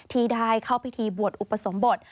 ที่ได้เข้าพิธีบวชอุปสมบท